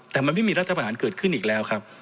แต่มันไม่มีรัฐประหารเกิดขึ้นอีกแล้วครับ